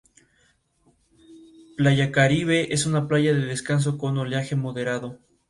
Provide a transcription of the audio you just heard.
No hay evidencia para apoyar esta propuesta.